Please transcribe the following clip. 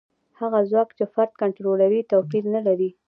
هغه ځواک چې فرد کنټرولوي توپیر نه لري.